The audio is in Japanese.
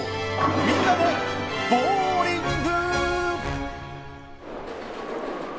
みんなでボウリング！